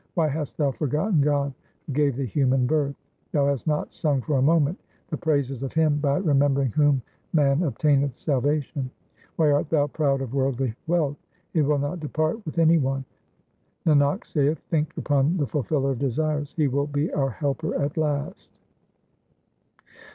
Why hast thou forgotten God who gave thee human birth ? Thou hast not sung for a moment the praises of Him by remembering whom man obtaineth salvation. Why art thou proud of worldly wealth ? it will not depart with any one. Nanak saith, think upon the Fulfiller of desires ; He will be our Helper at last.